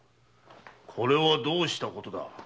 これはどうしたことだ。